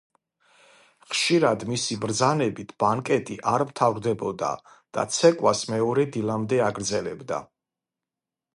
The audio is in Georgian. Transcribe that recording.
ხშირად მისი ბრძანებით ბანკეტი არ მთავრდებოდა და ცეკვას მეორე დილამდე აგრძელებდა.